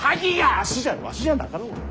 わしじゃわしじゃなかろうが。